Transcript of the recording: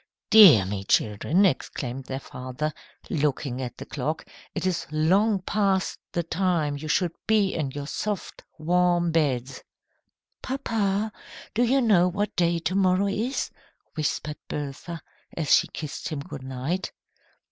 "Dear me, children," exclaimed their father, looking at the clock, "it is long past the time you should be in your soft, warm beds." "Papa, do you know what day to morrow is?" whispered Bertha, as she kissed him good night.